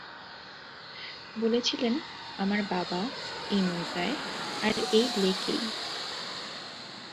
বলেছিলেন আমার বাবা, এই নৌকায়, আর এই লেকেই।